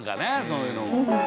そういうの。